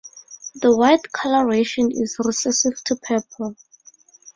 The white coloration is recessive to purple.